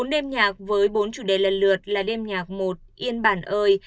bốn đêm nhạc với bốn chủ đề lần lượt là đêm nhạc một yên bản ơi